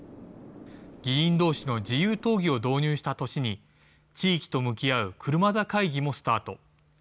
議員どうしの自由討議を導入した年に、地域と向き合う車座会議もスタート。